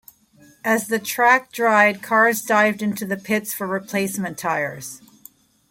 As the track dried, cars dived into the pits for replacement tyres.